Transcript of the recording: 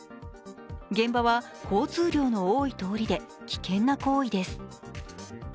現場は交通量の多い通りで危険な行為です。